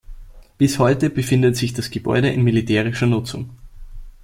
Bis heute befindet sich das Gebäude in militärischer Nutzung.